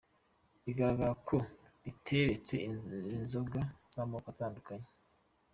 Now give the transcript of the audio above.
Bigaragara ko biteretse inzoga z’amako atandukanye.